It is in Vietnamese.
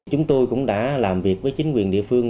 chúng tôi cũng đã làm việc với chính quyền địa phương